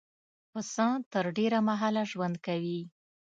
پسه تر ډېره مهاله ژوند کوي.